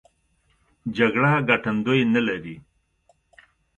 جګړه ګټندوی نه لري.